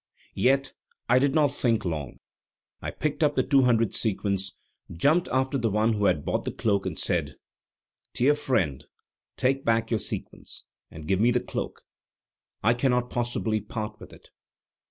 Yet I did not think long. I picked up the two hundred sequins, jumped after the one who had bought the cloak, and said: "Dear friend, take back your sequins, and give me the cloak; I cannot possibly part with it."